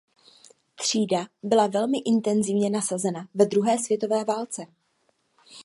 Třída byla velmi intenzivně nasazena ve druhé světové válce.